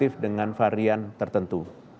adalah v satu enam satu dari inggris